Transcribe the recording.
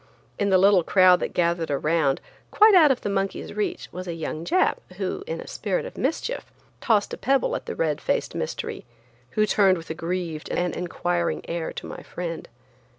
In the little crowd that gathered around, quite out of the monkey's reach, was a young Jap, who, in a spirit of mischief, tossed a pebble at the red faced mystery, who turned with a grieved and inquiring air to my friend.